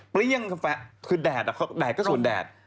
เปรี้ยงค่ะแดดก็ศูนย์แดด